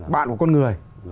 bạn của con người